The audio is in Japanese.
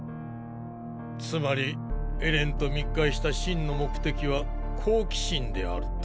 つまりエレンと密会した真の目的は好奇心であると？